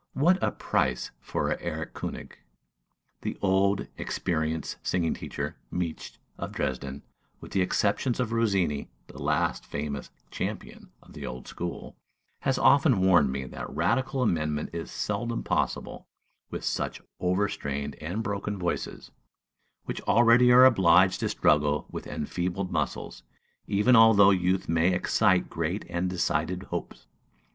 What a price for an "Erlkönig"! The old, experienced singing teacher, Miksch, of Dresden (with the exception of Rossini, the last famous champion of the old school), has often warned me that radical amendment is seldom possible with such over strained and broken voices, which already are obliged to struggle with enfeebled muscles, even although youth may excite great and decided hopes.